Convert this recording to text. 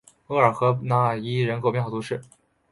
厄尔河畔讷伊人口变化图示